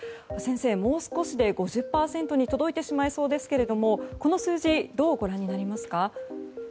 先生、もう少しで５０％に届いてしまいそうですけどこの数字どうご覧になりますか。